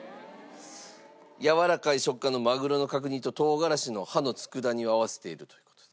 やわらかい食感のまぐろの角煮と唐辛子の葉の佃煮を合わせているという事で。